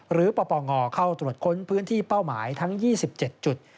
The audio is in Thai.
ปปงเข้าตรวจค้นพื้นที่เป้าหมายทั้ง๒๗จุด